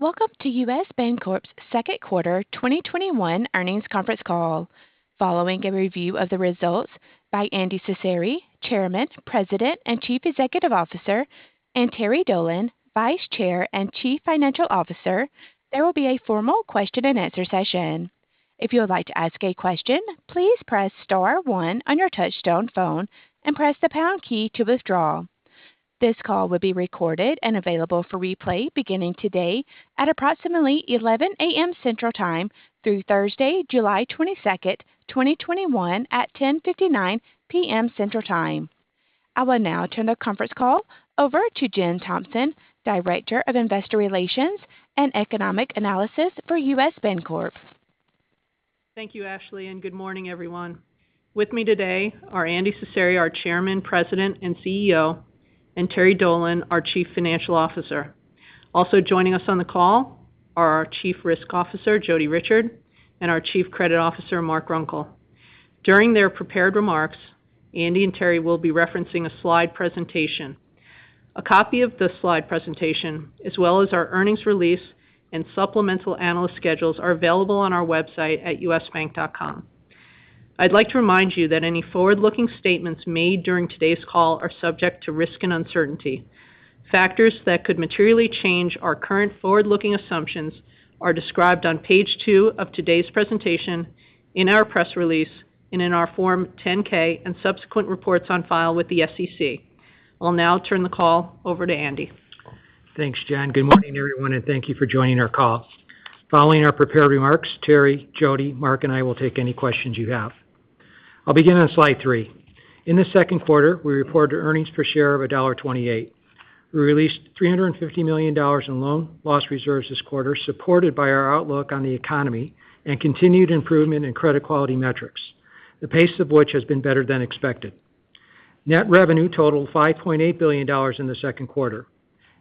Welcome to U.S. Bancorp's second quarter 2021 earnings conference call. Following a review of the results by Andy Cecere, Chairman, President, and Chief Executive Officer, and Terry Dolan, Vice Chair and Chief Financial Officer, there will be a formal question and answer session. This call will be recorded and available for replay beginning today at approximately 11:00 A.M. Central Time through Thursday, July 22nd, 2021 at 10:59 P.M. Central Time. I will now turn the conference call over to Jen Thompson, Director of Investor Relations and Economic Analysis for U.S. Bancorp. Thank you, Ashley. Good morning, everyone. With me today are Andy Cecere, our Chairman, President, and CEO, and Terry Dolan, our Chief Financial Officer. Also joining us on the call are our Chief Risk Officer, Jodi Richard, and our Chief Credit Officer, Mark Runkel. During their prepared remarks, Andy and Terry will be referencing a slide presentation. A copy of the slide presentation, as well as our earnings release and supplemental analyst schedules are available on our website at usbank.com. I'd like to remind you that any forward-looking statements made during today's call are subject to risk and uncertainty. Factors that could materially change our current forward-looking assumptions are described on Page two of today's presentation, in our press release, and in our Form 10-K and subsequent reports on file with the SEC. I'll now turn the call over to Andy. Thanks, Jen. Good morning, everyone, and thank you for joining our call. Following our prepared remarks, Terry, Jodi, Mark, and I will take any questions you have. I'll begin on Slide three. In the second quarter, we reported earnings per share of $1.28. We released $350 million in loan loss reserves this quarter, supported by our outlook on the economy and continued improvement in credit quality metrics, the pace of which has been better than expected. Net revenue totaled $5.8 billion in the second quarter.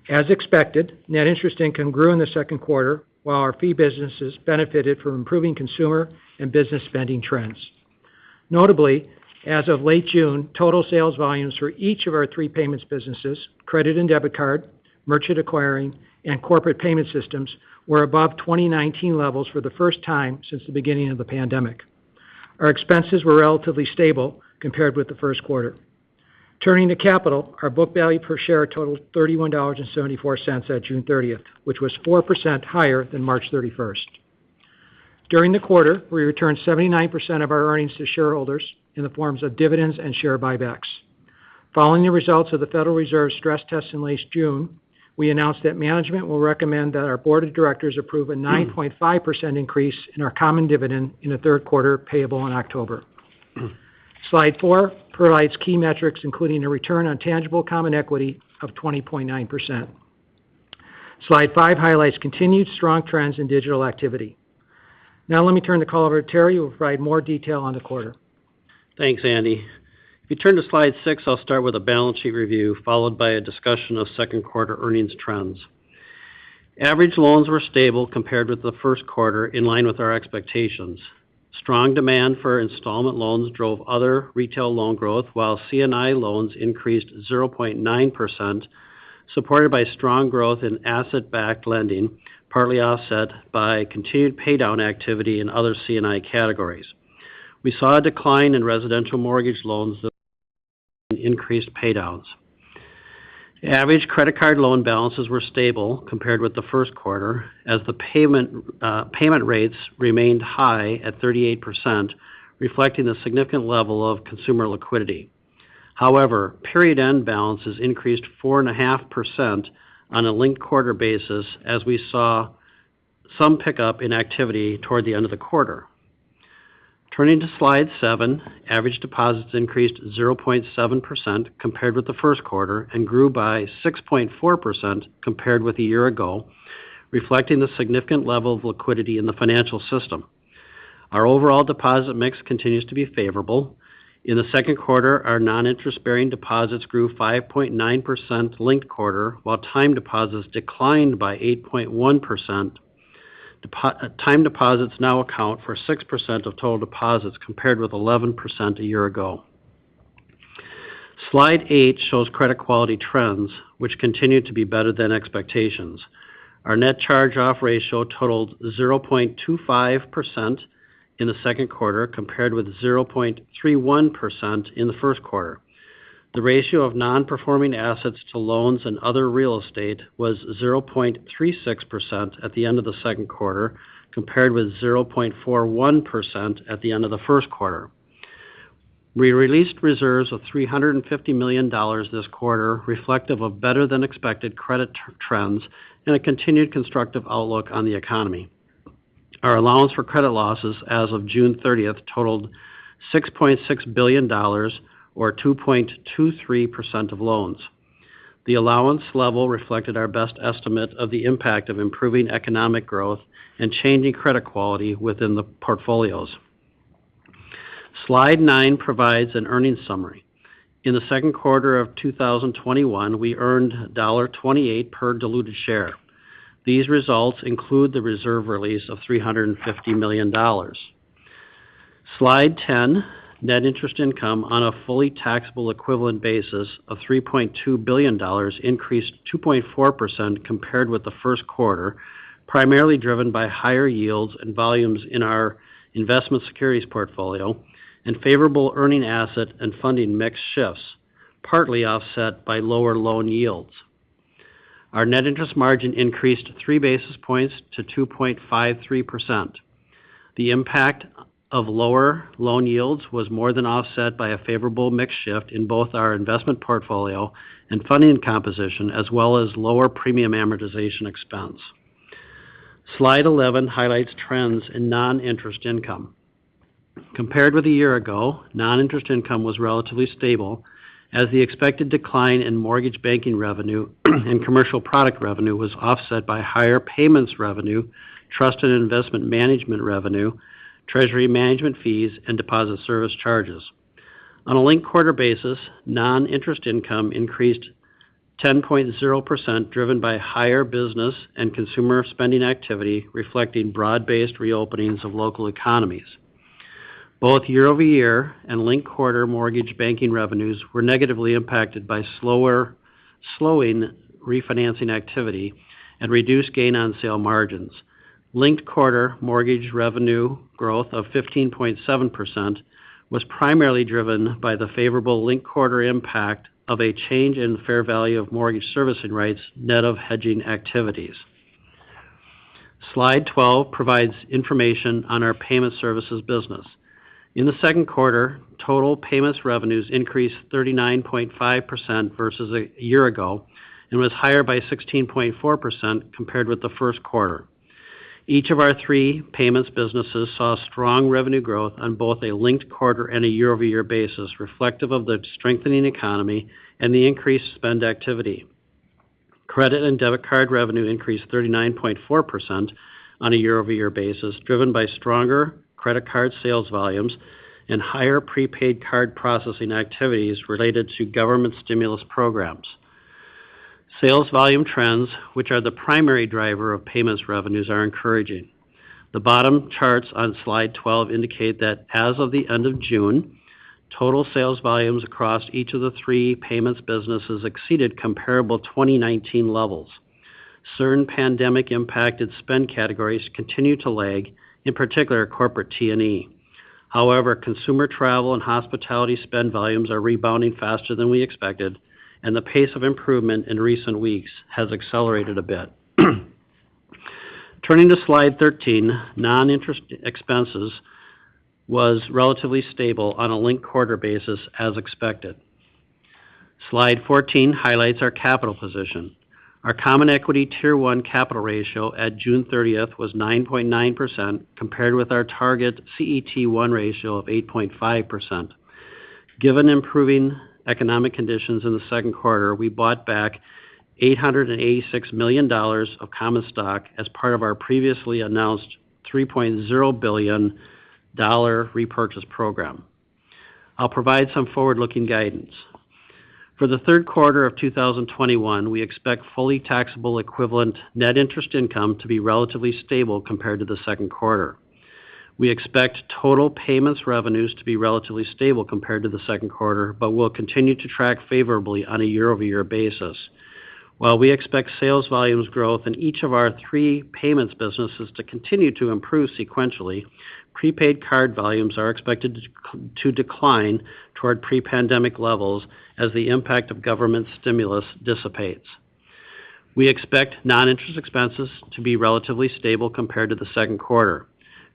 As expected, net interest income grew in the second quarter, while our fee businesses benefited from improving consumer and business spending trends. Notably, as of late June, total sales volumes for each of our three payments businesses, credit and debit card, Merchant Acquiring, and Corporate Payment Systems, were above 2019 levels for the first time since the beginning of the pandemic. Our expenses were relatively stable compared with the first quarter. Turning to capital, our book value per share totaled $31.74 at June 30th, which was 4% higher than March 31st. During the quarter, we returned 79% of our earnings to shareholders in the forms of dividends and share buybacks. Following the results of the Federal Reserve stress testing last June, we announced that management will recommend that our board of directors approve a 9.5% increase in our common dividend in the third quarter, payable in October. Slide four provides key metrics, including a return on tangible common equity of 20.9%. Slide five highlights continued strong trends in digital activity. Now let me turn the call over to Terry who will provide more detail on the quarter. Thanks, Andy. If you turn to Slide six, I'll start with the balance sheet review, followed by a discussion of second quarter earnings trends. Average loans were stable compared with the first quarter, in line with our expectations. Strong demand for installment loans drove other retail loan growth, while C&I loans increased 0.9%, supported by strong growth in asset-backed lending, partly offset by continued paydown activity in other C&I categories. We saw a decline in residential mortgage loans and increased paydowns. Average credit card loan balances were stable compared with the first quarter, as the payment rates remained high at 38%, reflecting a significant level of consumer liquidity. However, period-end balances increased 4.5% on a linked-quarter basis as we saw some pickup in activity toward the end of the quarter. Turning to Slide seven, average deposits increased 0.7% compared with the first quarter, and grew by 6.4% compared with a year ago, reflecting the significant level of liquidity in the financial system. Our overall deposit mix continues to be favorable. In the second quarter, our non-interest-bearing deposits grew 5.9% linked quarter, while time deposits declined by 8.1%. Time deposits now account for 6% of total deposits, compared with 11% a year ago. Slide eight shows credit quality trends, which continue to be better than expectations. Our net charge-off ratio totaled 0.25% in the second quarter, compared with 0.31% in the first quarter. The ratio of non-performing assets to loans and other real estate was 0.36% at the end of the second quarter, compared with 0.41% at the end of the first quarter. We released reserves of $350 million this quarter, reflective of better-than-expected credit trends and a continued constructive outlook on the economy. Our allowance for credit losses as of June 30th totaled $6.6 billion, or 2.23% of loans. The allowance level reflected our best estimate of the impact of improving economic growth and changing credit quality within the portfolios. Slide nine provides an earnings summary. In the second quarter of 2021, we earned $1.28 per diluted share. These results include the reserve release of $350 million. Slide 10, net interest income on a fully taxable equivalent basis of $3.2 billion increased 2.4% compared with the first quarter, primarily driven by higher yields and volumes in our investment securities portfolio and favorable earning asset and funding mix shifts, partly offset by lower loan yields. Our net interest margin increased 3 basis points to 2.53%. The impact of lower loan yields was more than offset by a favorable mix shift in both our investment portfolio and funding composition, as well as lower premium amortization expense. Slide 11 highlights trends in non-interest income. Compared with a year ago, non-interest income was relatively stable as the expected decline in mortgage banking revenue and commercial product revenue was offset by higher payments revenue, trust and investment management revenue, treasury management fees, and deposit service charges. On a linked quarter basis, non-interest income increased 10.0%, driven by higher business and consumer spending activity, reflecting broad-based reopenings of local economies. Both year-over-year and linked-quarter mortgage banking revenues were negatively impacted by slowing refinancing activity and reduced gain-on-sale margins. Linked-quarter mortgage revenue growth of 15.7% was primarily driven by the favorable linked-quarter impact of a change in fair value of mortgage servicing rights, net of hedging activities. Slide 12 provides information on our payment services business. In the second quarter, total payments revenues increased 39.5% versus a year ago and was higher by 16.4% compared with the first quarter. Each of our 3 payments businesses saw strong revenue growth on both a linked quarter and a year-over-year basis, reflective of the strengthening economy and the increased spend activity. Credit and debit card revenue increased 39.4% on a year-over-year basis, driven by stronger credit card sales volumes and higher prepaid card processing activities related to government stimulus programs. Sales volume trends, which are the primary driver of payments revenues, are encouraging. The bottom charts on Slide 12 indicate that as of the end of June, total sales volumes across each of the 3 payments businesses exceeded comparable 2019 levels. Certain pandemic-impacted spend categories continue to lag, in particular corporate T&E. However, consumer travel and hospitality spend volumes are rebounding faster than we expected, and the pace of improvement in recent weeks has accelerated a bit. Turning to Slide 13, non-interest expenses was relatively stable on a linked-quarter basis as expected. Slide 14 highlights our capital position. Our Common Equity Tier 1 capital ratio at June 30th was 9.9%, compared with our target CET1 ratio of 8.5%. Given improving economic conditions in the second quarter, we bought back $886 million of common stock as part of our previously announced $3.0 billion repurchase program. I'll provide some forward-looking guidance. For the third quarter of 2021, we expect fully taxable equivalent net interest income to be relatively stable compared to the second quarter. We expect total payments revenues to be relatively stable compared to the second quarter, but will continue to track favorably on a year-over-year basis. While we expect sales volumes growth in each of our three payments businesses to continue to improve sequentially, prepaid card volumes are expected to decline toward pre-pandemic levels as the impact of government stimulus dissipates. We expect non-interest expenses to be relatively stable compared to the second quarter.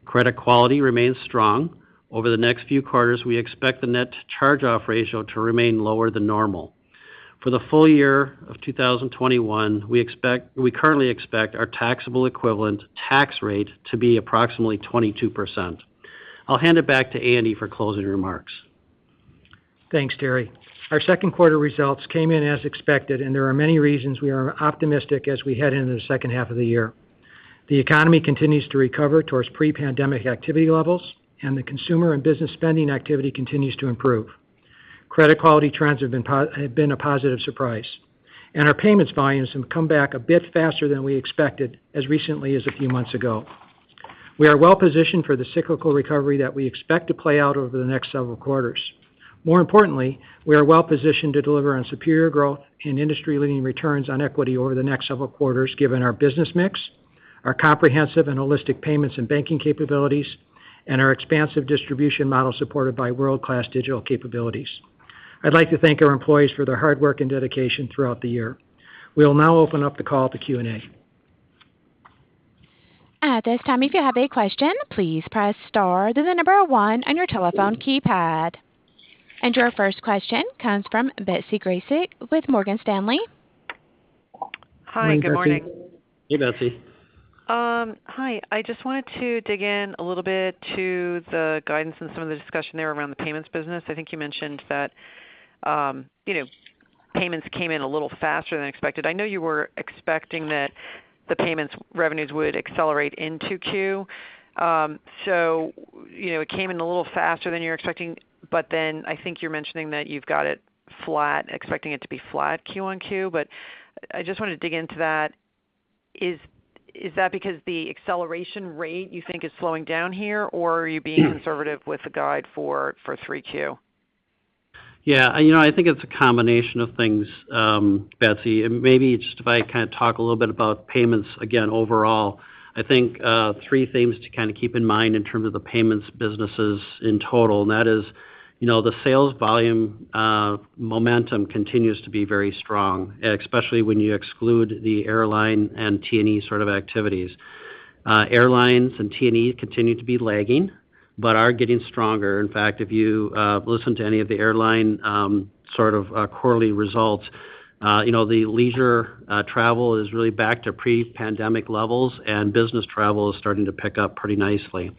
Credit quality remains strong. Over the next few quarters, we expect the net charge-off ratio to remain lower than normal. For the full year of 2021, we currently expect our taxable equivalent tax rate to be approximately 22%. I'll hand it back to Andy for closing remarks. Thanks, Terry. Our second quarter results came in as expected, and there are many reasons we are optimistic as we head into the second half of the year. The economy continues to recover towards pre-pandemic activity levels, and the consumer and business spending activity continues to improve. Credit quality trends have been a positive surprise. Our payments volumes have come back a bit faster than we expected, as recently as a few months ago. We are well-positioned for the cyclical recovery that we expect to play out over the next several quarters. More importantly, we are well-positioned to deliver on superior growth and industry-leading returns on equity over the next several quarters given our business mix, our comprehensive and holistic payments and banking capabilities, and our expansive distribution model supported by world-class digital capabilities. I'd like to thank our employees for their hard work and dedication throughout the year. We'll now open up the call to Q&A. At this time, if you have a question, please press star, then 1 on your telephone keypad. Your first question comes from Betsy Graseck with Morgan Stanley. Good morning, Betsy. Hey, Betsy. Hi. I just wanted to dig in a little bit to the guidance and some of the discussion there around the payments business. I think you mentioned that payments came in a little faster than expected. I know you were expecting that the payments revenues would accelerate into Q2. It came in a little faster than you're expecting, but then I think you're mentioning that you've got it flat and expecting it to be flat Q-on-Q. I just wanted to dig into that. Is that because the acceleration rate you think is slowing down here? Are you being conservative with the guide for 3Q? Yeah. I think it's a combination of things, Betsy. Maybe just if I kind of talk a little bit about payments again overall. I think, three things to kind of keep in mind in terms of the payments businesses in total, that is the sales volume momentum continues to be very strong, especially when you exclude the airline and T&E sort of activities. Airlines and T&E continue to be lagging, but are getting stronger. In fact, if you listen to any of the airline sort of quarterly results, the leisure travel is really back to pre-pandemic levels, business travel is starting to pick up pretty nicely.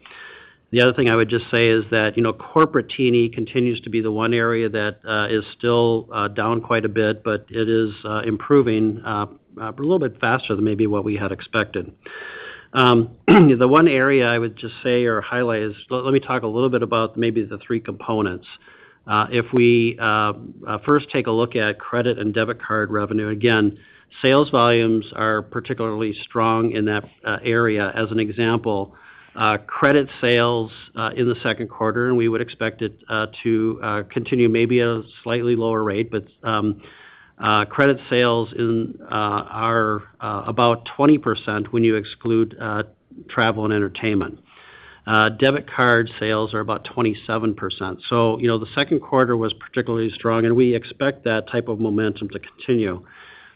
The other thing I would just say is that corporate T&E continues to be the one area that is still down quite a bit, but it is improving a little bit faster than maybe what we had expected. The one area I would just say or highlight is, let me talk a little bit about maybe the three components. If we first take a look at credit and debit card revenue, again, sales volumes are particularly strong in that area. As an example, credit sales in the second quarter, and we would expect it to continue maybe a slightly lower rate, but credit sales are about 20% when you exclude travel and entertainment. Debit card sales are about 27%. The second quarter was particularly strong, and we expect that type of momentum to continue.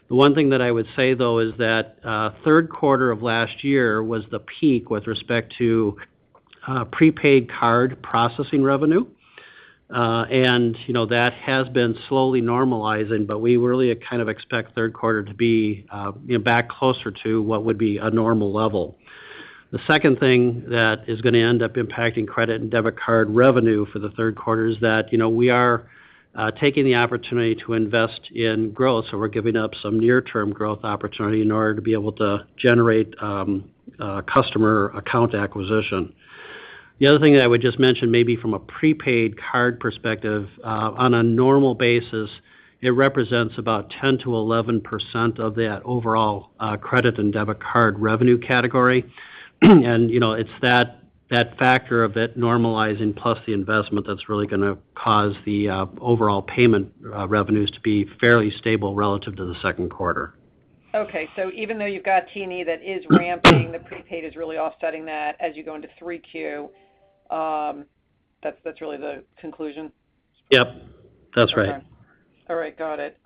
The one thing that I would say though is that third quarter of last year was the peak with respect to prepaid card processing revenue. That has been slowly normalizing, but we really kind of expect third quarter to be back closer to what would be a normal level. The second thing that is going to end up impacting credit and debit card revenue for the third quarter is that we are taking the opportunity to invest in growth, so we're giving up some near-term growth opportunity in order to be able to generate customer account acquisition. The other thing that I would just mention maybe from a prepaid card perspective, on a normal basis, it represents about 10% to 11% of that overall credit and debit card revenue category. It's that factor of it normalizing plus the investment that's really going to cause the overall payment revenues to be fairly stable relative to the second quarter. Okay. Even though you've got T&E that is ramping, the prepaid is really offsetting that as you go into 3Q. That's really the conclusion? Yep. That's right. Okay. All right. Got it.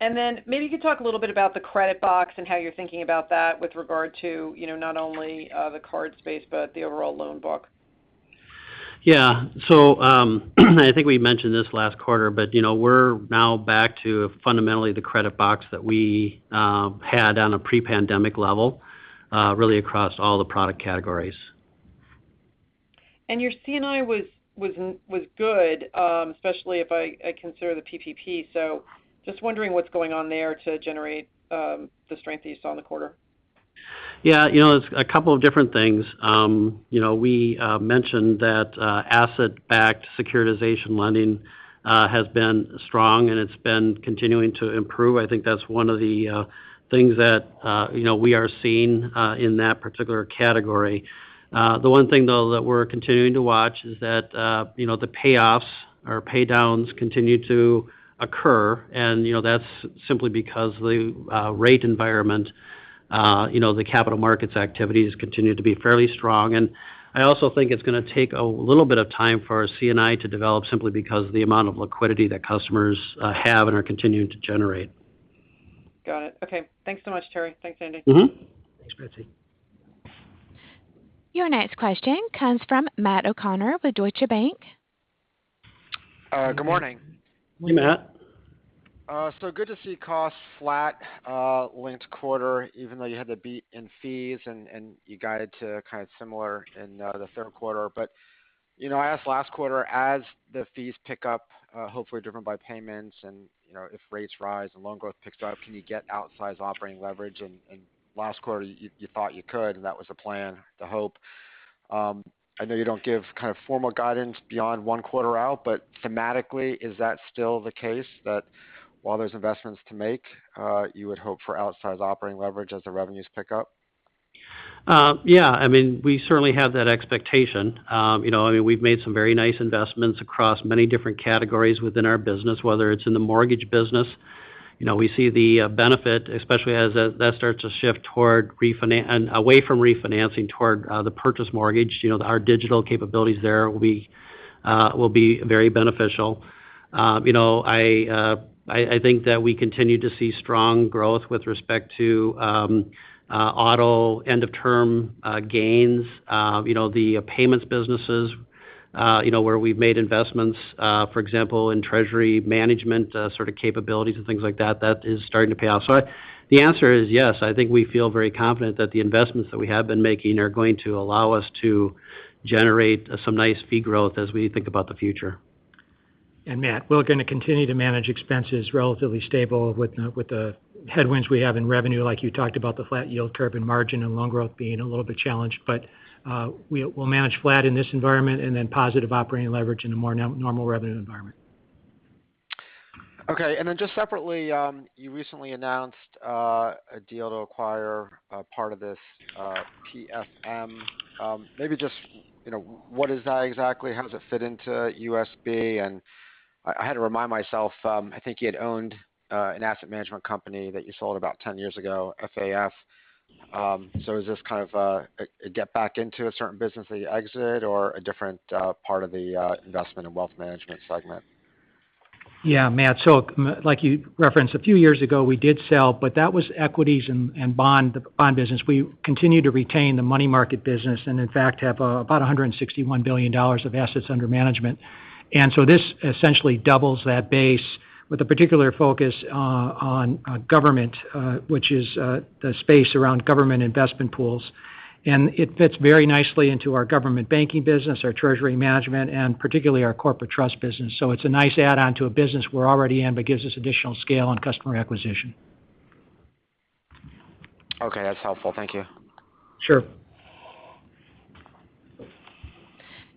Then maybe you could talk a little bit about the credit box and how you're thinking about that with regard to not only the card space but the overall loan book? Yeah. I think we mentioned this last quarter, but we're now back to fundamentally the credit box that we had on a pre-pandemic level really across all the product categories. Your C&I was good, especially if I consider the PPP. Just wondering what's going on there to generate the strength that you saw in the quarter. Yeah. It's a couple of different things. We mentioned that asset-backed securitization lending has been strong, and it's been continuing to improve. I think that's one of the things that we are seeing in that particular category. The one thing though that we're continuing to watch is that the payoffs or paydowns continue to occur, and that's simply because the rate environment, the capital markets activities continue to be fairly strong. I also think it's going to take a little bit of time for our C&I to develop simply because the amount of liquidity that customers have and are continuing to generate. Got it. Okay. Thanks so much, Terry. Thanks, Andy. Thanks, Betsy. Your next question comes from Matt O'Connor with Deutsche Bank. Good morning. Hey, Matt. Good to see costs flat linked quarter, even though you had the beat in fees and you guided to kind of similar in the third quarter. I asked last quarter, as the fees pick up, hopefully driven by payments and if rates rise and loan growth picks up, can you get outsized operating leverage? Last quarter, you thought you could, and that was the plan, the hope. I know you don't give kind of formal guidance beyond one quarter out, but thematically, is that still the case that while there's investments to make, you would hope for outsized operating leverage as the revenues pick up? We certainly have that expectation. We've made some very nice investments across many different categories within our business, whether it's in the mortgage business. We see the benefit, especially as that starts to shift away from refinancing toward the purchase mortgage. Our digital capabilities there will be very beneficial. I think that we continue to see strong growth with respect to auto end-of-term gains. The payments businesses where we've made investments, for example, in treasury management sort of capabilities and things like that is starting to pay off. The answer is yes. I think we feel very confident that the investments that we have been making are going to allow us to generate some nice fee growth as we think about the future. Matt, we're going to continue to manage expenses relatively stable with the headwinds we have in revenue, like you talked about the flat yield curve and margin and loan growth being a little bit challenged. We'll manage flat in this environment and then positive operating leverage in a more normal revenue environment. Okay. Just separately, you recently announced a deal to acquire a part of this PFM. Maybe just what is that exactly? How does it fit into USB? I had to remind myself, I think you'd owned an asset management company that you sold about 10 years ago, FAF. Is this kind of a get back into a certain business that you exited or a different part of the investment and wealth management segment? Yeah, Matt. Like you referenced, a few years ago, we did sell, but that was equities and bond business. We continued to retain the money market business and in fact, have about $161 billion of assets under management. This essentially doubles that base with a particular focus on government, which is the space around government investment pools. It fits very nicely into our government banking business, our treasury management, and particularly our corporate trust business. It's a nice add-on to a business we're already in, but gives us additional scale and customer acquisition. Okay. That's helpful. Thank you. Sure.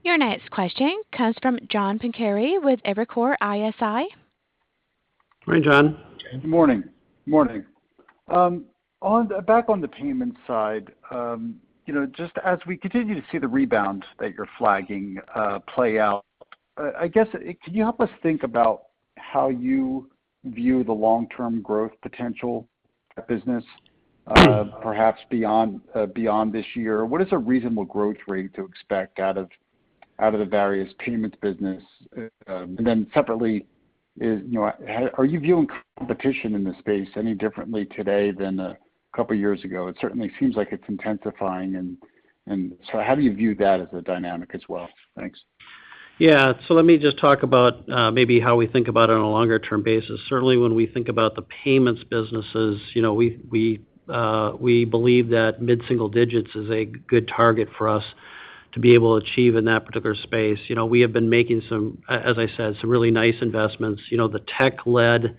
Your next question comes from John Pancari with Evercore ISI. Morning, John. Morning. Back on the payments side, just as we continue to see the rebound that you're flagging play out, I guess, can you help us think about how you view the long-term growth potential of the business perhaps beyond this year? What is a reasonable growth rate to expect out of the various payments business? Separately, are you viewing competition in this space any differently today than a couple of years ago? It certainly seems like it's intensifying, and so how do you view that as a dynamic as well? Thanks. Yeah. Let me just talk about maybe how we think about it on a longer-term basis. Certainly, when we think about the payments businesses, we believe that mid-single digits is a good target for us to be able to achieve in that particular space. We have been making some, as I said, some really nice investments. The tech-led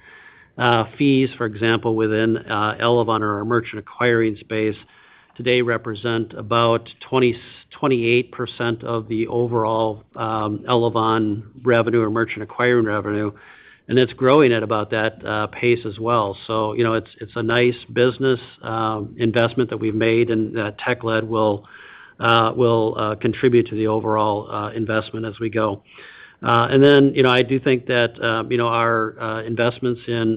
fees, for example, within Elavon or our merchant acquiring space today represent about 28% of the overall Elavon revenue or merchant acquiring revenue, and it's growing at about that pace as well. It's a nice business investment that we've made and tech-led will contribute to the overall investment as we go. Then, I do think that our investments in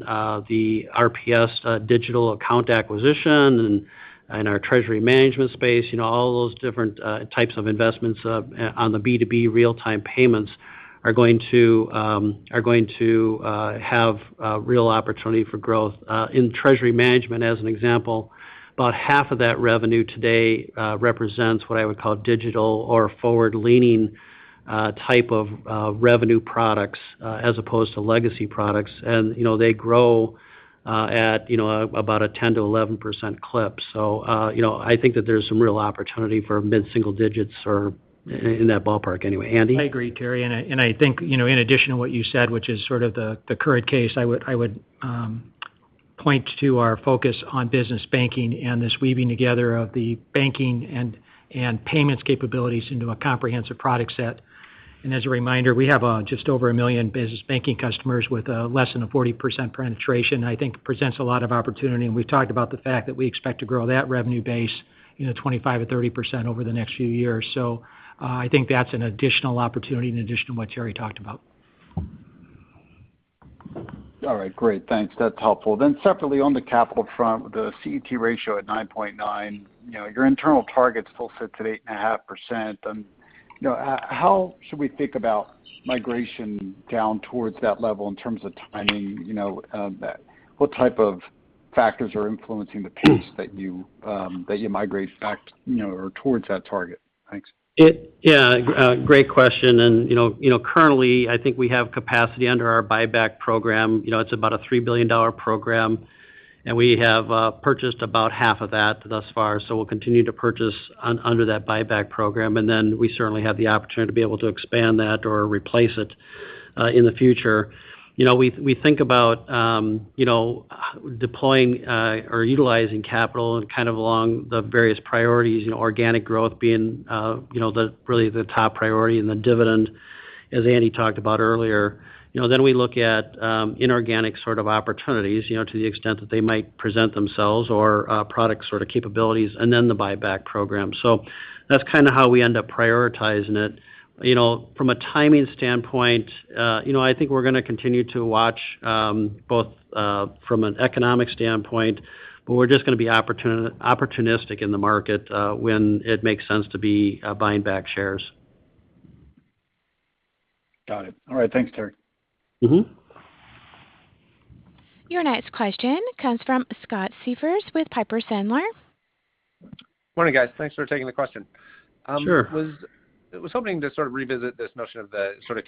the RPS digital account acquisition and our treasury management space, all those different types of investments on the B2B real-time payments are going to have a real opportunity for growth. In treasury management as an example, about half of that revenue today represents what I would call digital or forward-leaning type of revenue products as opposed to legacy products. They grow at about a 10%-11% clip. I think that there's some real opportunity for mid-single digits or in that ballpark anyway. Andy? I agree, Terry, and I think, in addition to what you said, which is sort of the current case, I would point to our focus on business banking and this weaving together of the banking and payments capabilities into a comprehensive product set. As a reminder, we have just over 1 million business banking customers with less than a 40% penetration. I think presents a lot of opportunity, and we've talked about the fact that we expect to grow that revenue base 25% or 30% over the next few years. I think that's an additional opportunity in addition to what Terry talked about. All right. Great. Thanks. That's helpful. Separately on the capital front, the CET ratio at 9.9. Your internal target still sits at 8.5%. How should we think about migration down towards that level in terms of timing? What type of factors are influencing the pace that you migrate back or towards that target? Thanks. Yeah. Great question. Currently, I think we have capacity under our buyback program. It's about a $3 billion program, and we have purchased about half of that thus far. We'll continue to purchase under that buyback program, and then we certainly have the opportunity to be able to expand that or replace it in the future. We think about deploying or utilizing capital and kind of along the various priorities, organic growth being really the top priority and the dividend, as Andy talked about earlier. We look at inorganic sort of opportunities, to the extent that they might present themselves or product sort of capabilities, and then the buyback program. That's kind of how we end up prioritizing it. From a timing standpoint, I think we're going to continue to watch both from an economic standpoint, but we're just going to be opportunistic in the market when it makes sense to be buying back shares. Got it. All right. Thanks, Terry. Your next question comes from Scott Siefers with Piper Sandler. Morning, guys. Thanks for taking the question. Sure. I was hoping to sort of revisit this notion of the sort of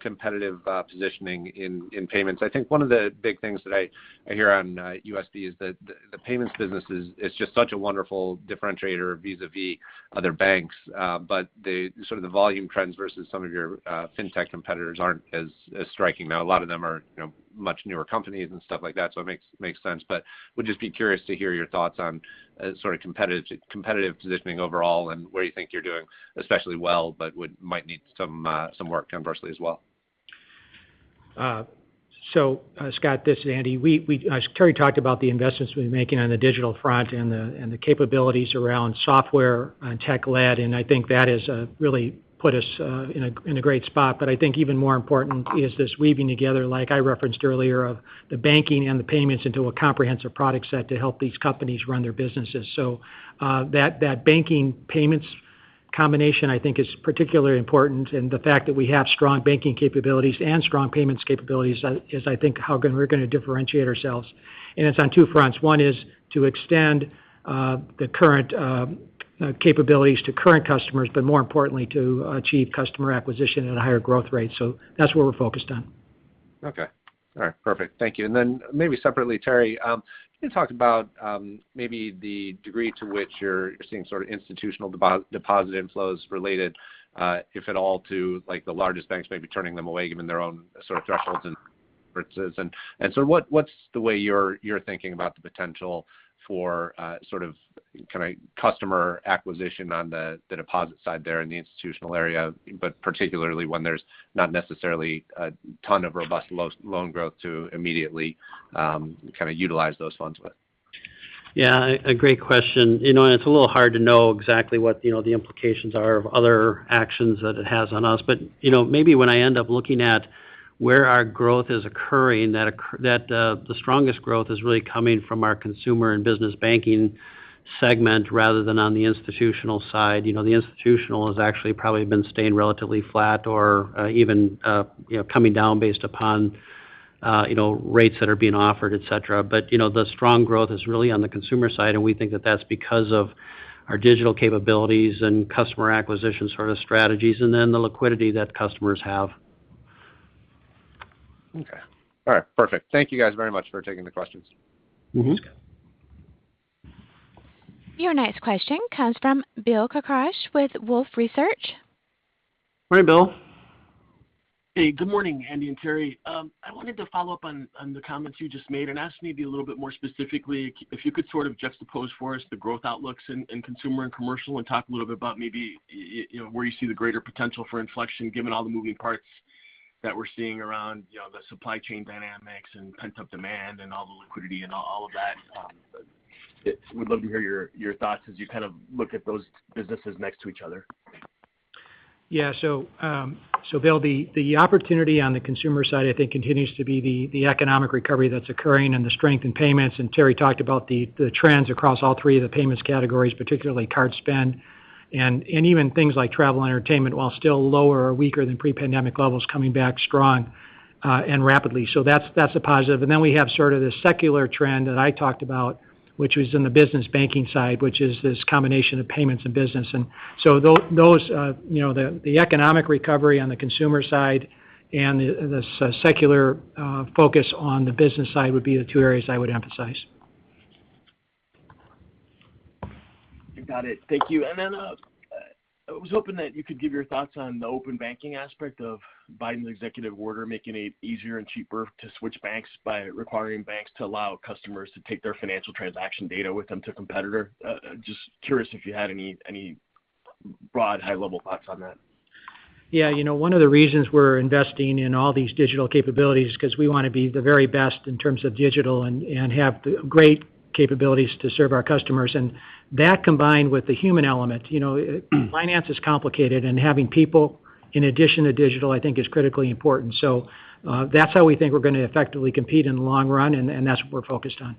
competitive positioning in payments. I think one of the big things that I hear on USB is that the payments business is just such a wonderful differentiator vis-a-vis other banks. But the sort of the volume trends versus some of your fintech competitors aren't as striking. Now, a lot of them are much newer companies and stuff like that, so it makes sense. But would just be curious to hear your thoughts on sort of competitive positioning overall and where you think you're doing especially well, but might need some work conversely as well. Scott, this is Andy. Terry talked about the investments we've been making on the digital front and the capabilities around software and tech-led, and I think that has really put us in a great spot. I think even more important is this weaving together, like I referenced earlier, of the banking and the payments into a comprehensive product set to help these companies run their businesses. That banking-payments combination, I think, is particularly important in the fact that we have strong banking capabilities and strong payments capabilities is, I think, how we're going to differentiate ourselves, and it's on two fronts. One is to extend the current capabilities to current customers, but more importantly, to achieve customer acquisition at a higher growth rate. That's what we're focused on. Okay. All right. Perfect. Thank you. Maybe separately, Terry Dolan, can you talk about maybe the degree to which you're seeing institutional deposit inflows related, if at all, to the largest banks maybe turning them away given their own sort of thresholds and differences. What's the way you're thinking about the potential for kind of customer acquisition on the deposit side there in the institutional area, but particularly when there's not necessarily a ton of robust loan growth to immediately kind of utilize those funds with? Yeah, a great question. It's a little hard to know exactly what the implications are of other actions that it has on us. Maybe when I end up looking at where our growth is occurring, that the strongest growth is really coming from our consumer and business banking segment rather than on the institutional side. The institutional has actually probably been staying relatively flat or even coming down based upon rates that are being offered, et cetera. The strong growth is really on the consumer side, and we think that that's because of our digital capabilities and customer acquisition sort of strategies and then the liquidity that customers have. Okay. All right. Perfect. Thank you guys very much for taking the questions. Sure. Your next question comes from Bill Carcache with Wolfe Research. Morning, Bill. Hey, good morning, Andy and Terry. I wanted to follow up on the comments you just made and ask maybe a little bit more specifically if you could sort of juxtapose for us the growth outlooks in consumer and commercial and talk a little bit about maybe where you see the greater potential for inflection given all the moving parts that we're seeing around the supply chain dynamics and pent-up demand and all the liquidity and all of that. Would love to hear your thoughts as you kind of look at those businesses next to each other. Yeah. Bill, the opportunity on the consumer side, I think, continues to be the economic recovery that's occurring and the strength in payments. Terry talked about the trends across all three of the payments categories, particularly card spend. Even things like travel and entertainment, while still lower or weaker than pre-pandemic levels, coming back strong and rapidly. That's a positive. We have sort of this secular trend that I talked about, which was in the business banking side, which is this combination of payments and business. Those, the economic recovery on the consumer side and the secular focus on the business side would be the two areas I would emphasize. I got it. Thank you. I was hoping that you could give your thoughts on the open banking aspect of Biden's executive order, making it easier and cheaper to switch banks by requiring banks to allow customers to take their financial transaction data with them to a competitor. Just curious if you had any broad high-level thoughts on that. Yeah. One of the reasons we're investing in all these digital capabilities because we want to be the very best in terms of digital and have great capabilities to serve our customers. That combined with the human element. Finance is complicated, and having people in addition to digital, I think is critically important. That's how we think we're going to effectively compete in the long run, and that's what we're focused on.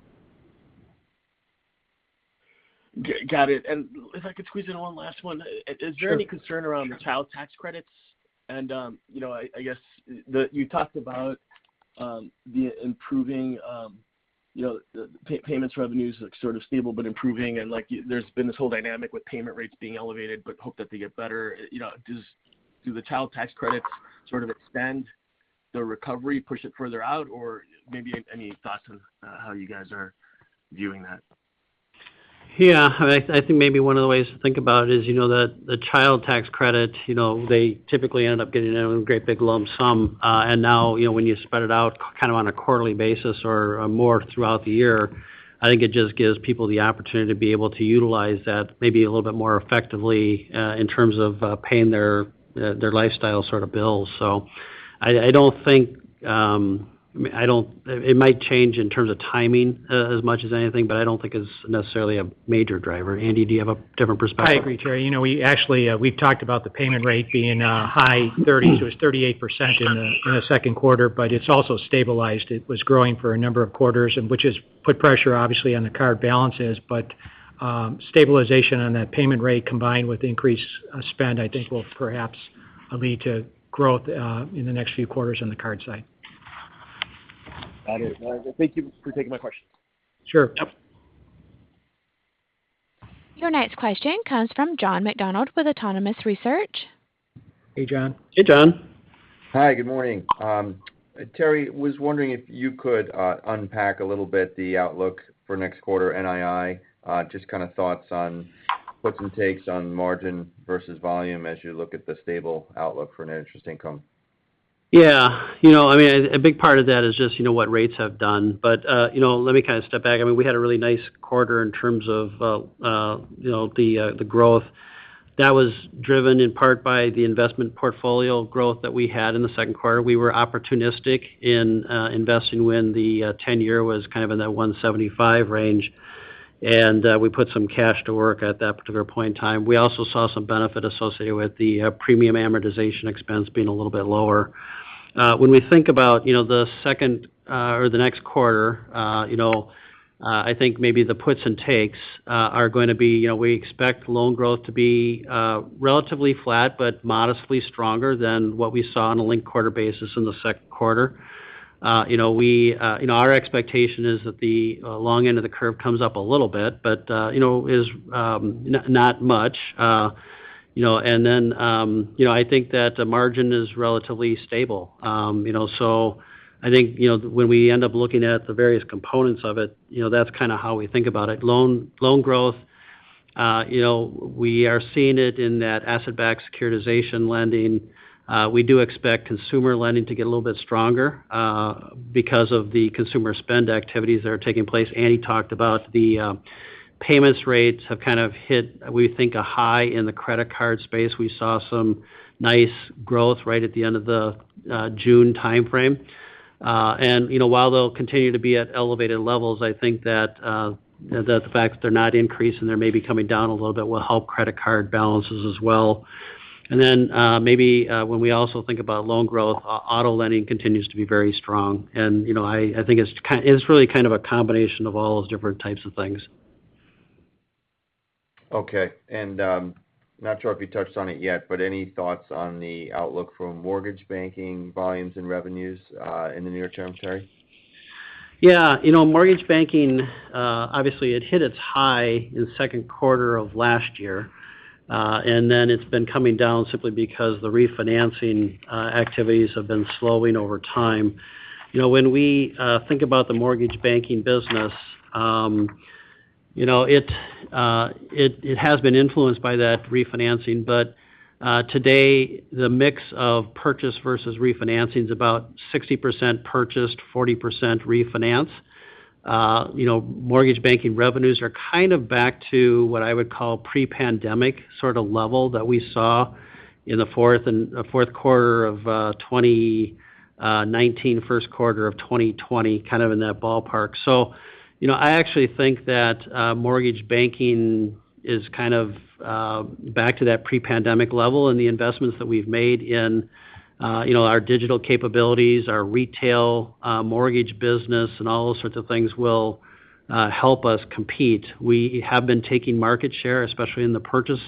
Got it. If I could squeeze in one last one? Sure. Is there any concern around the child tax credits? I guess you talked about the payments revenues look sort of stable but improving, and there's been this whole dynamic with payment rates being elevated but hope that they get better. Do the child tax credits sort of extend the recovery, push it further out? Maybe any thoughts on how you guys are viewing that? Yeah. I think maybe one of the ways to think about it is that the child tax credit, they typically end up getting a great big lump sum. Now when you spread it out kind of on a quarterly basis or more throughout the year, I think it just gives people the opportunity to be able to utilize that maybe a little bit more effectively in terms of paying their lifestyle sort of bills. It might change in terms of timing as much as anything, but I don't think it's necessarily a major driver. Andy, do you have a different perspective? I agree, Terry. We actually we've talked about the payment rate being high 30s. It was 38% in the second quarter, but it's also stabilized. It was growing for a number of quarters, and which has put pressure, obviously, on the card balances. Stabilization on that payment rate combined with increased spend, I think, will perhaps lead to growth in the next few quarters on the card side. Got it. All right. Well, thank you for taking my questions. Sure. Yep. Your next question comes from John McDonald with Autonomous Research. Hey, John. Hey, John. Hi. Good morning. Terry, was wondering if you could unpack a little bit the outlook for next quarter NII. Just kind of thoughts on puts and takes on margin versus volume as you look at the stable outlook for net interest income. Yeah. A big part of that is just what rates have done. Let me kind of step back. We had a really nice quarter in terms of the growth. That was driven in part by the investment portfolio growth that we had in the second quarter. We were opportunistic in investing when the 10-year was kind of in that 175 range, and we put some cash to work at that particular point in time. We also saw some benefit associated with the premium amortization expense being a little bit lower. When we think about the second or the next quarter, I think maybe the puts and takes are going to be, we expect loan growth to be relatively flat, but modestly stronger than what we saw on a linked-quarter basis in the second quarter. Our expectation is that the long end of the curve comes up a little bit, but is not much. I think that the margin is relatively stable. I think, when we end up looking at the various components of it, that's kind of how we think about it. Loan growth, we are seeing it in that asset-backed securitization lending. We do expect consumer lending to get a little bit stronger because of the consumer spend activities that are taking place. Andy Cecere talked about the payments rates have kind of hit, we think, a high in the credit card space. We saw some nice growth right at the end of the June timeframe. While they'll continue to be at elevated levels, I think that the fact that they're not increasing, they're maybe coming down a little bit, will help credit card balances as well. Maybe when we also think about loan growth, auto lending continues to be very strong, and I think it's really kind of a combination of all those different types of things. Okay. Not sure if you touched on it yet, but any thoughts on the outlook for mortgage banking volumes and revenues in the near term, Terry? Yeah. Mortgage banking, obviously it hit its high in the second quarter of last year. It's been coming down simply because the refinancing activities have been slowing over time. When we think about the mortgage banking business, it has been influenced by that refinancing. Today, the mix of purchase versus refinancing is about 60% purchased, 40% refinance. Mortgage banking revenues are kind of back to what I would call pre-pandemic sort of level that we saw in the fourth quarter of 2019, first quarter of 2020, kind of in that ballpark. I actually think that mortgage banking is kind of back to that pre-pandemic level and the investments that we've made in our digital capabilities, our retail mortgage business, and all those sorts of things will help us compete. We have been taking market share, especially in the purchase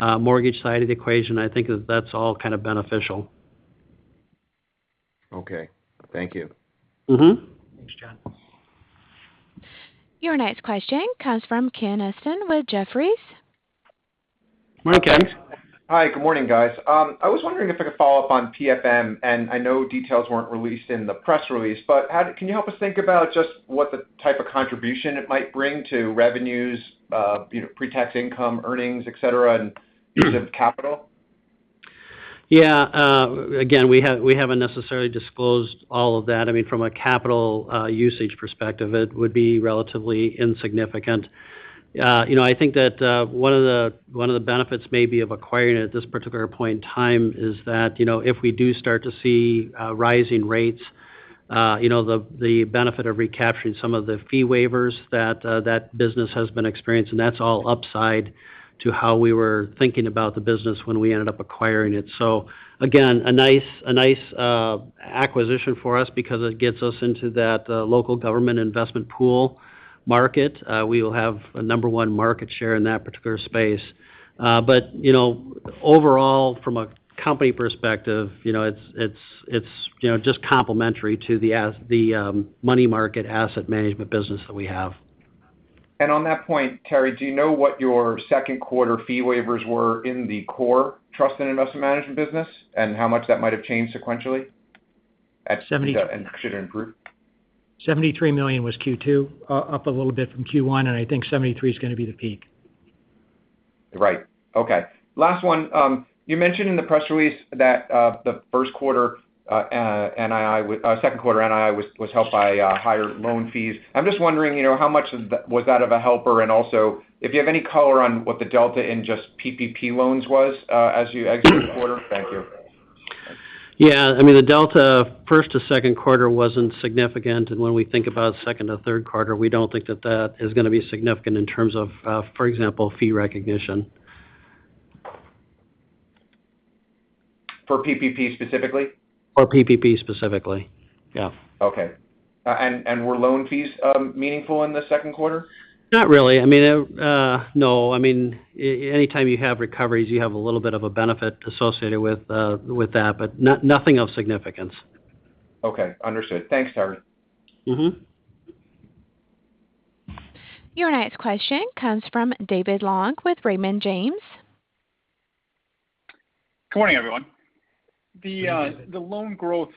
mortgage side of the equation. I think that's all kind of beneficial. Okay. Thank you. Thanks, John. Your next question comes from Ken Usdin with Jefferies. Morning, Ken. Hi, good morning, guys. I was wondering if I could follow up on PFM, and I know details weren't released in the press release, but can you help us think about just what the type of contribution it might bring to revenues, pre-tax income, earnings, et cetera, and use of capital? Again, we haven't necessarily disclosed all of that. From a capital usage perspective, it would be relatively insignificant. I think that one of the benefits maybe of acquiring it at this particular point in time is that if we do start to see rising rates, the benefit of recapturing some of the fee waivers that that business has been experiencing. That's all upside to how we were thinking about the business when we ended up acquiring it. Again, a nice acquisition for us because it gets us into that local government investment pool market. We will have a number 1 market share in that particular space. Overall, from a company perspective, it's just complementary to the money market asset management business that we have. On that point, Terry, do you know what your second quarter fee waivers were in the core trust and investment management business, and how much that might have changed sequentially? 73. Should it improve? $73 million was Q2. Up a little bit from Q1, and I think $73 million is going to be the peak. Right. Okay. Last one. You mentioned in the press release that the second quarter NII was helped by higher loan fees. I'm just wondering, how much was that of a helper? Also, if you have any color on what the delta in just PPP loans was as you exit the quarter? Thank you. The delta first to second quarter wasn't significant. When we think about second to third quarter, we don't think that that is going to be significant in terms of, for example, fee recognition. For PPP specifically? For PPP specifically, yeah. Okay. Were loan fees meaningful in the second quarter? Not really. No. Anytime you have recoveries, you have a little bit of a benefit associated with that, but nothing of significance. Okay. Understood. Thanks, Terry. Your next question comes from David Long with Raymond James. Good morning, everyone. Good morning. The loan growth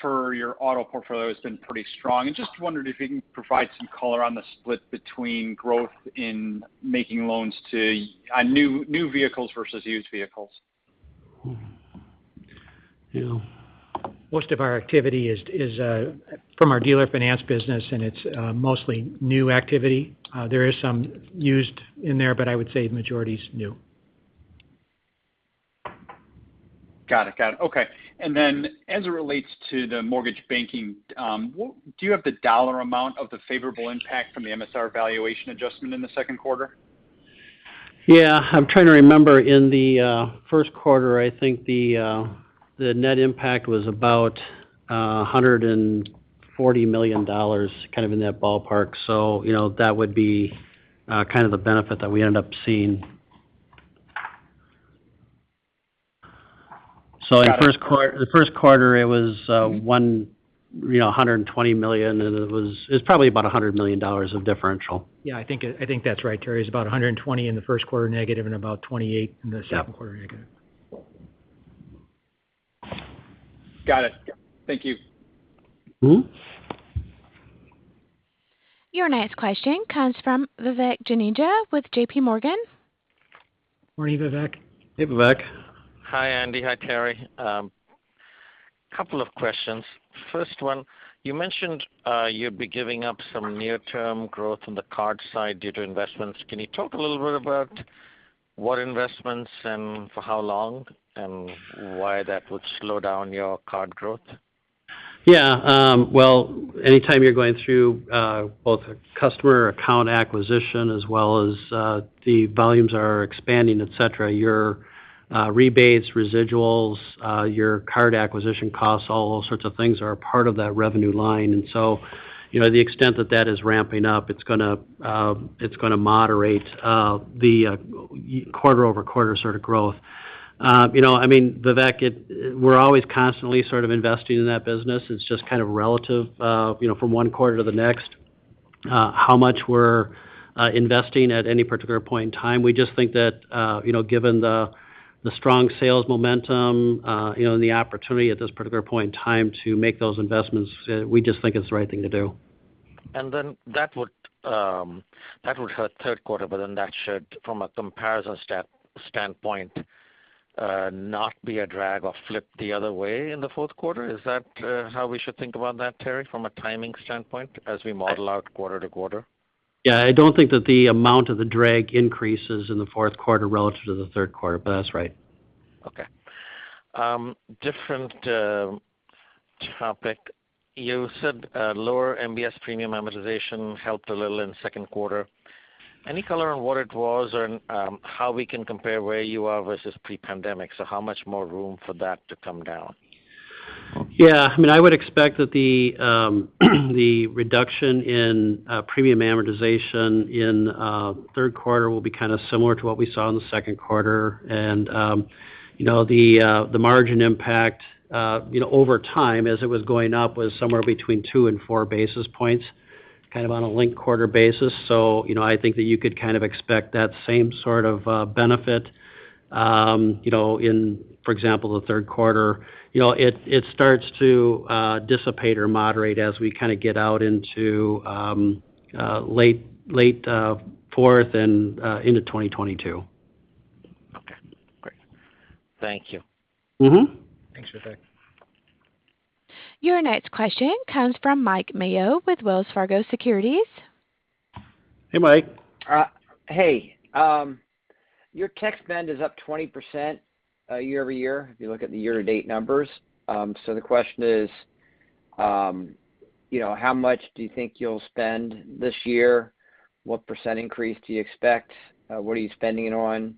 for your auto portfolio has been pretty strong. I just wondered if you can provide some color on the split between growth in making loans to new vehicles versus used vehicles? Yeah. Most of our activity is from our dealer finance business. It's mostly new activity. There is some used in there. I would say the majority is new. Got it. Okay. Then as it relates to the mortgage banking, do you have the dollar amount of the favorable impact from the MSR valuation adjustment in the second quarter? Yeah. I'm trying to remember. In the first quarter, I think the net impact was about $140 million, kind of in that ballpark. That would be kind of the benefit that we end up seeing. In the first quarter, it was $120 million, and it was probably about $100 million of differential. I think that's right, Terry. It's about $120 in the first quarter negative and about $28 in the second quarter negative. Got it. Thank you. Your next question comes from Vivek Juneja with JPMorgan. Morning, Vivek. Hey, Vivek. Hi, Andy. Hi, Terry. Couple of questions. First one, you mentioned you'd be giving up some near-term growth on the card side due to investments. Can you talk a little bit about what investments and for how long, and why that would slow down your card growth? Yeah. Well, anytime you're going through both a customer account acquisition as well as the volumes are expanding, et cetera, your rebates, residuals, your card acquisition costs, all those sorts of things are a part of that revenue line. The extent that that is ramping up, it's going to moderate the quarter-over-quarter sort of growth. I mean, Vivek, we're always constantly sort of investing in that business. It's just kind of relative from one quarter to the next how much we're investing at any particular point in time. We just think that given the strong sales momentum and the opportunity at this particular point in time to make those investments, we just think it's the right thing to do. That would hurt third quarter, but then that should, from a comparison standpoint, not be a drag or flip the other way in the fourth quarter? Is that how we should think about that, Terry, from a timing standpoint as we model out quarter-to-quarter? Yeah, I don't think that the amount of the drag increases in the fourth quarter relative to the third quarter, but that's right. Okay. Different topic. You said lower MBS premium amortization helped a little in the second quarter. Any color on what it was or how we can compare where you are versus pre-pandemic? How much more room for that to come down? Yeah. I would expect that the reduction in premium amortization in third quarter will be kind of similar to what we saw in the second quarter. The margin impact over time as it was going up was somewhere between 2 and 4 basis points, kind of on a linked quarter basis. I think that you could kind of expect that same sort of benefit in, for example, the third quarter. It starts to dissipate or moderate as we kind of get out into late fourth and into 2022. Okay, great. Thank you. Thanks, Vivek. Your next question comes from Mike Mayo with Wells Fargo Securities. Hey, Mike. Hey. Your tech spend is up 20% year-over-year if you look at the year-to-date numbers. The question is, how much do you think you'll spend this year? What percent increase do you expect? What are you spending it on?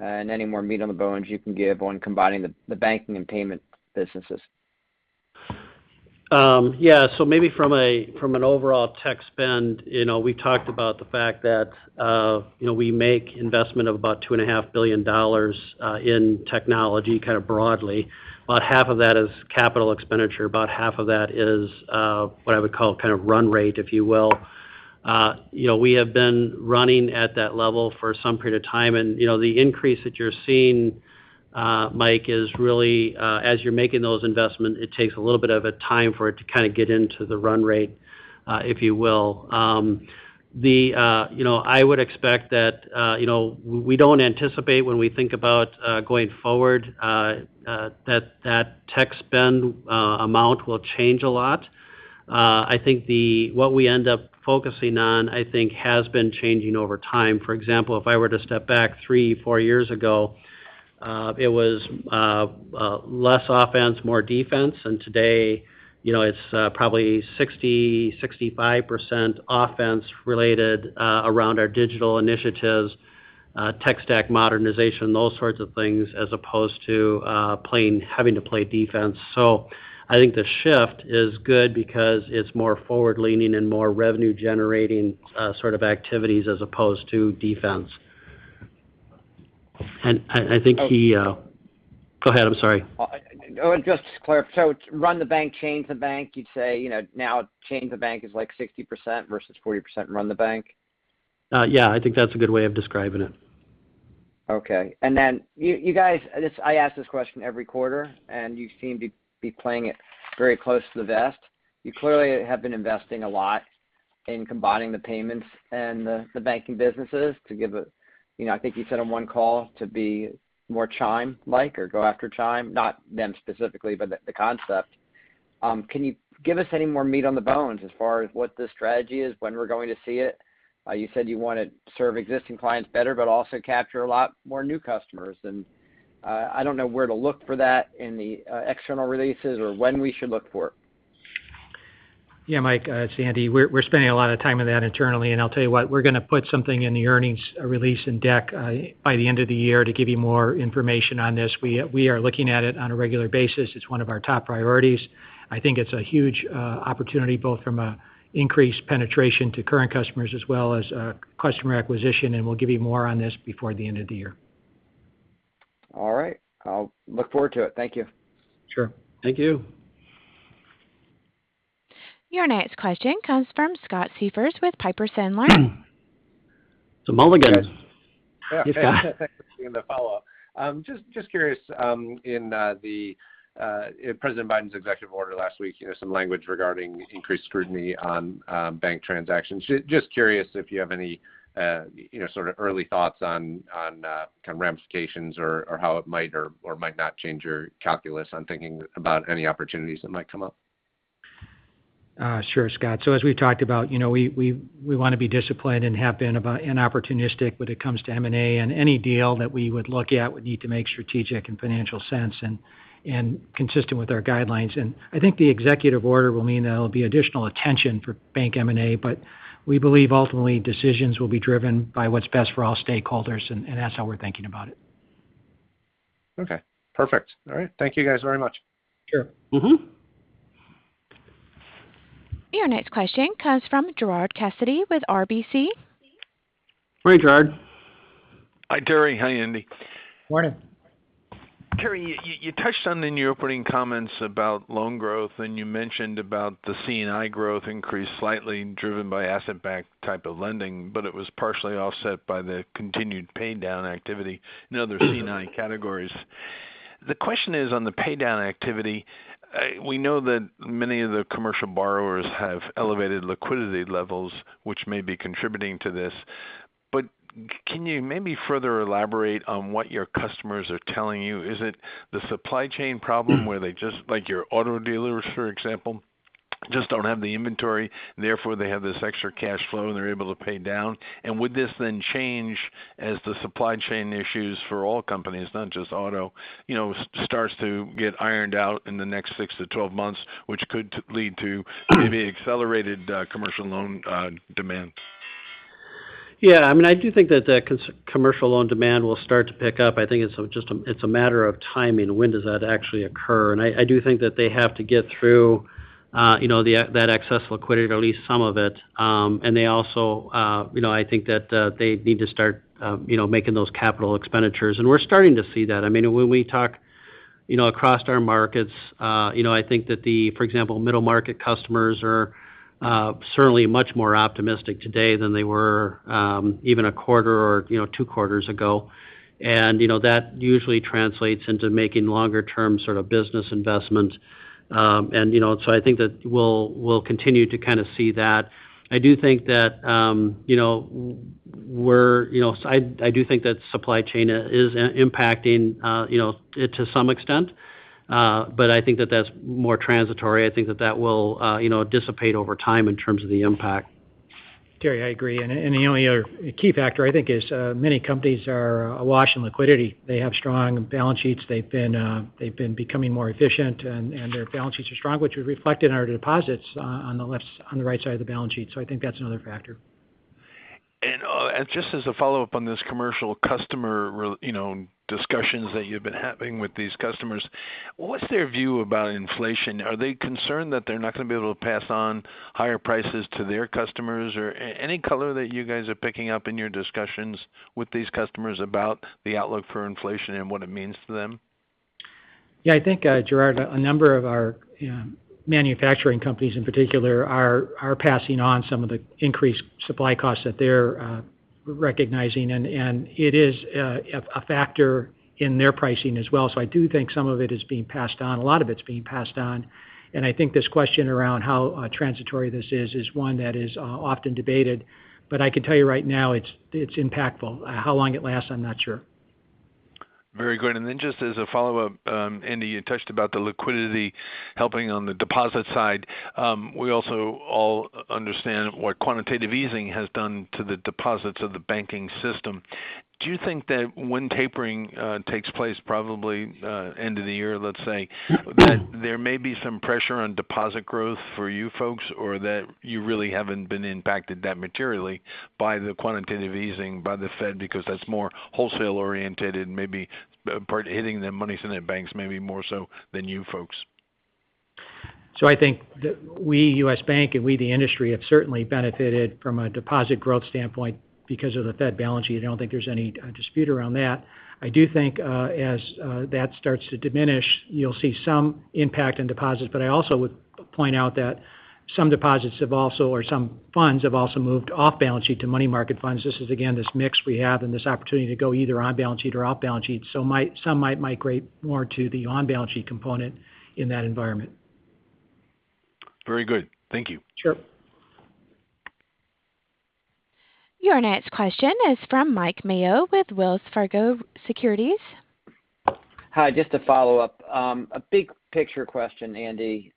Any more meat on the bones you can give on combining the banking and payment businesses? Maybe from an overall tech spend, we talked about the fact that we make investment of about $2.5 billion in technology kind of broadly. About half of that is capital expenditure, about half of that is what I would call kind of run rate, if you will. We have been running at that level for some period of time, and the increase that you're seeing, Mike, is really as you're making those investments, it takes a little bit of time for it to kind of get into the run rate if you will. I would expect that we don't anticipate when we think about going forward that tech spend amount will change a lot. I think what we end up focusing on, I think has been changing over time. For example, if I were to step back three, four years ago, it was less offense, more defense. Today, it's probably 60%-65% offense related around our digital initiatives, tech stack modernization, those sorts of things as opposed to having to play defense. I think the shift is good because it's more forward-leaning and more revenue-generating sort of activities as opposed to defense. Go ahead, I'm sorry. Oh, just to clarify. run the bank, change the bank, you'd say now change the bank is like 60% versus 40% run the bank? Yeah, I think that's a good way of describing it. Okay. You guys, I ask this question every quarter, and you seem to be playing it very close to the vest. You clearly have been investing a lot in combining the payments and the banking businesses to give a. I think you said on one call to be more Chime-like or go after Chime, not them specifically, but the concept. Can you give us any more meat on the bones as far as what the strategy is, when we're going to see it? You said you want to serve existing clients better, but also capture a lot more new customers. I don't know where to look for that in the external releases or when we should look for it. Yeah, Mike Mayo, it's Andy Cecere. We're spending a lot of time on that internally, and I'll tell you what, we're going to put something in the earnings release in deck by the end of the year to give you more information on this. We are looking at it on a regular basis. It's one of our top priorities. I think it's a huge opportunity, both from an increased penetration to current customers as well as customer acquisition, and we'll give you more on this before the end of the year. All right. I'll look forward to it. Thank you. Sure. Thank you. Your next question comes from Scott Siefers with Piper Sandler. Some mulligans. Hey. Yes, Scott. Thanks for taking the follow-up. Just curious, in President Biden's executive order last week, some language regarding increased scrutiny on bank transactions. Just curious if you have any sort of early thoughts on kind of ramifications or how it might or might not change your calculus on thinking about any opportunities that might come up. Sure, Scott. As we've talked about, we want to be disciplined and have been opportunistic when it comes to M&A, and any deal that we would look at would need to make strategic and financial sense and consistent with our guidelines. I think the executive order will mean that there'll be additional attention for bank M&A, but we believe ultimately decisions will be driven by what's best for all stakeholders, and that's how we're thinking about it. Okay, perfect. All right. Thank you guys very much. Sure. Your next question comes from Gerard Cassidy with RBC. Hey, Gerard. Hi, Terry. Hi, Andy. Morning. Terry, you touched on in your opening comments about loan growth. You mentioned about the C&I growth increased slightly driven by asset-backed type of lending, but it was partially offset by the continued pay-down activity in other C&I categories. The question is on the pay-down activity. We know that many of the commercial borrowers have elevated liquidity levels, which may be contributing to this. Can you maybe further elaborate on what your customers are telling you? Is it the supply chain problem where they just, like your auto dealers, for example, just don't have the inventory, therefore, they have this extra cash flow and they're able to pay down? Would this then change as the supply chain issues for all companies, not just auto, starts to get ironed out in the next 6 to 12 months, which could lead to maybe accelerated commercial loan demand? Yeah, I do think that commercial loan demand will start to pick up. I think it's a matter of timing. When does that actually occur? I do think that they have to get through that excess liquidity, or at least some of it. They also I think that they need to start making those capital expenditures. We're starting to see that. When we talk across our markets, I think that the, for example, middle-market customers are certainly much more optimistic today than they were even a quarter or two quarters ago. That usually translates into making longer-term business investments. So I think that we'll continue to kind of see that. I do think that supply chain is impacting it to some extent. I think that that's more transitory. I think that that will dissipate over time in terms of the impact. Terry, I agree. The only other key factor I think is many companies are awash in liquidity. They have strong balance sheets. They've been becoming more efficient, and their balance sheets are strong, which was reflected in our deposits on the right side of the balance sheet. I think that's another factor. Just as a follow-up on this commercial customer discussions that you've been having with these customers. What's their view about inflation? Are they concerned that they're not going to be able to pass on higher prices to their customers? Any color that you guys are picking up in your discussions with these customers about the outlook for inflation and what it means to them? Yeah, I think, Gerard, a number of our manufacturing companies in particular are passing on some of the increased supply costs that they're recognizing, and it is a factor in their pricing as well. I do think some of it is being passed on. A lot of it's being passed on, and I think this question around how transitory this is is one that is often debated. I can tell you right now, it's impactful. How long it lasts, I'm not sure. Very good. Just as a follow-up, Andy, you touched about the liquidity helping on the deposit side. We also all understand what quantitative easing has done to the deposits of the banking system. Do you think that when tapering takes place, probably end of the year, let's say, that there may be some pressure on deposit growth for you folks, or that you really haven't been impacted that materially by the quantitative easing by the Fed because that's more wholesale oriented and maybe part hitting the moneys in their banks maybe more so than you folks? I think we, U.S. Bank, and we, the industry, have certainly benefited from a deposit growth standpoint because of the Fed balance sheet. I don't think there's any dispute around that. I do think as that starts to diminish, you'll see some impact on deposits. I also would point out that some deposits have also, or some funds have also moved off balance sheet to money market funds. This is, again, this mix we have and this opportunity to go either on balance sheet or off balance sheet. Some might migrate more to the on-balance-sheet component in that environment. Very good. Thank you. Sure. Your next question is from Mike Mayo with Wells Fargo Securities. Hi, just a follow-up. A big picture question, Andy.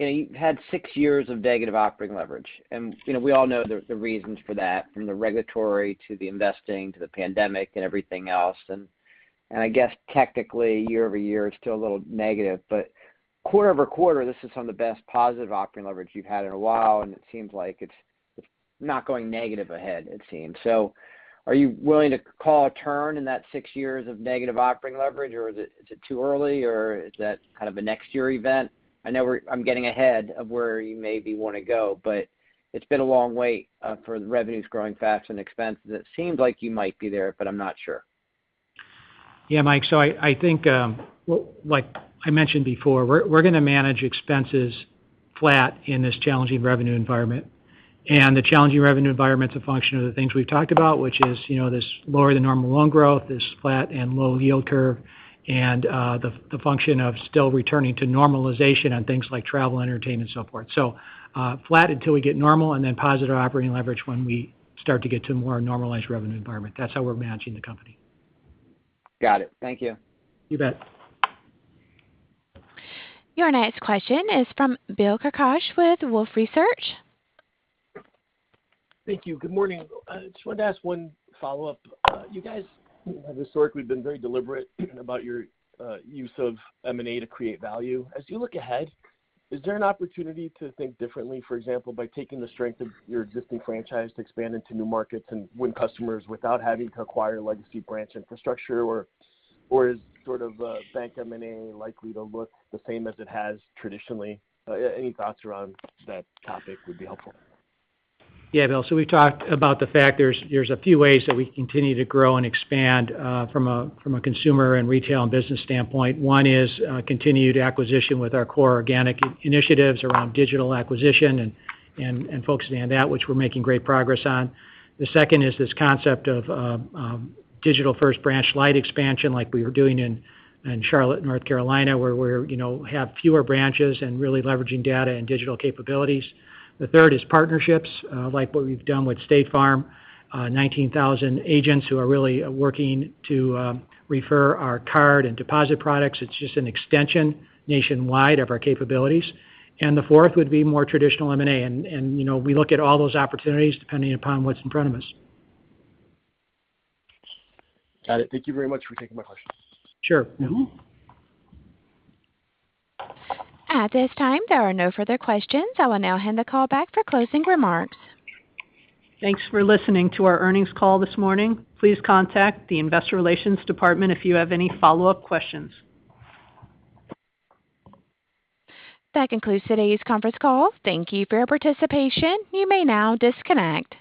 You had six years of negative operating leverage and we all know the reasons for that, from the regulatory to the investing to the pandemic and everything else. I guess technically year-over-year is still a little negative, but quarter-over-quarter, this is some of the best positive operating leverage you've had in a while, and it seems like it's not going negative ahead, it seems. Are you willing to call a turn in that six years of negative operating leverage, or is it too early, or is that kind of a next year event? I know I'm getting ahead of where you maybe want to go, but it's been a long wait for the revenues growing faster than expenses. It seems like you might be there, but I'm not sure. Yeah, Mike. I think like I mentioned before, we're going to manage expenses flat in this challenging revenue environment. The challenging revenue environment is a function of the things we've talked about, which is this lower than normal loan growth, this flat and low yield curve, and the function of still returning to normalization on things like travel, entertainment, and so forth. Flat until we get normal and then positive operating leverage when we start to get to a more normalized revenue environment. That's how we're managing the company. Got it. Thank you. You bet. Your next question is from Bill Carcache with Wolfe Research. Thank you. Good morning. I just wanted to ask one follow-up. You guys have historically been very deliberate about your use of M&A to create value. As you look ahead, is there an opportunity to think differently, for example, by taking the strength of your existing franchise to expand into new markets and win customers without having to acquire legacy branch infrastructure, or is bank M&A likely to look the same as it has traditionally? Any thoughts around that topic would be helpful. Yeah, Bill Carcache. We've talked about the fact there's a few ways that we continue to grow and expand from a consumer and retail and business standpoint. One is continued acquisition with our core organic initiatives around digital acquisition and focusing on that, which we're making great progress on. The second is this concept of digital-first branch light expansion like we were doing in Charlotte, N.C., where we have fewer branches and really leveraging data and digital capabilities. The third is partnerships, like what we've done with State Farm, 19,000 agents who are really working to refer our card and deposit products. It's just an extension nationwide of our capabilities. The fourth would be more traditional M&A, and we look at all those opportunities depending upon what's in front of us. Got it. Thank you very much for taking my questions. Sure. Mm-hmm. At this time, there are no further questions. I will now hand the call back for closing remarks. Thanks for listening to our earnings call this morning. Please contact the investor relations department if you have any follow-up questions. That concludes today's conference call. Thank you for your participation. You may now disconnect.